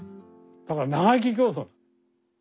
だから長生き競争。